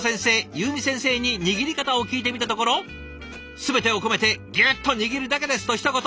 ゆうみ先生に握り方を聞いてみたところ「すべてを込めてギュッと握るだけです」とひと言。